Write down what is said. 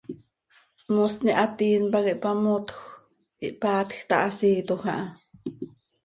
Moosni hatiin pac ihpamotjö, ihpaatj ta, hasiiitoj aha.